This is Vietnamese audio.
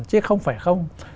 chứ không phải không